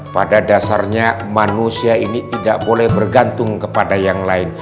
pada dasarnya manusia ini tidak boleh bergantung kepada yang lain